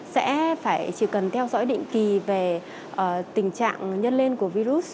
sẽ chỉ cần theo dõi định kỳ về tình trạng nhân lên của virus